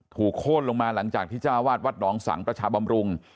โค้นลงมาหลังจากที่เจ้าวาดวัดหนองสังประชาบำรุง